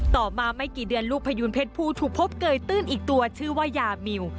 ต่อมาไม่กี่เดือนลูกพยูนเพชรภูถูกพบเกยตื้นอีกตัวชื่อว่ายามิว